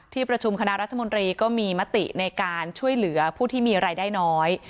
ประชุมคณะรัฐมนตรีก็มีมติในการช่วยเหลือผู้ที่มีรายได้น้อย